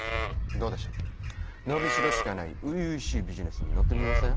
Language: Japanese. どうでしょう伸びしろしかない初々しいビジネスに乗ってみません？